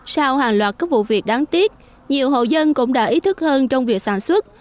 sau hàng loạt các vụ việc đáng tiếc nhiều hộ dân cũng đã ý thức hơn trong việc sản xuất